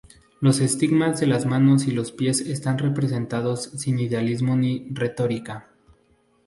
Los estigmas de las manos y los pies están representados sin idealismo ni retórica.